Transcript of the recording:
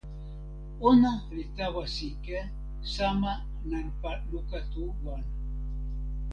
ona li tawa sike, sama nanpa luka tu wan.